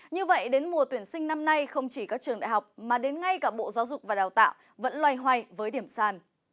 như vậy đến mùa tuyển sinh năm nay không chỉ các trường đại học mà đến ngay cả bộ giáo dục và đào tạo vẫn loay hoay với điểm sàn